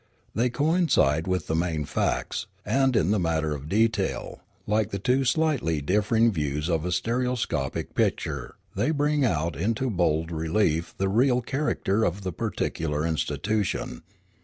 They coincide in the main facts; and in the matter of detail, like the two slightly differing views of a stereoscopic picture, they bring out into bold relief the real character of the peculiar institution.